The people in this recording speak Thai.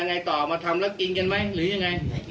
ไงต่อมาทำแล้วกินกันไหมหรือยังไง